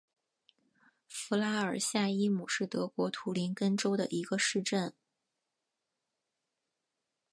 弗拉尔夏伊姆是德国图林根州的一个市镇。